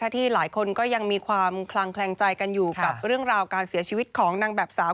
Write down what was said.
ที่หลายคนก็ยังมีความคลังแคลงใจกันอยู่กับเรื่องราวการเสียชีวิตของนางแบบสาว